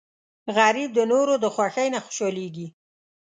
غریب د نورو د خوښۍ نه خوشحالېږي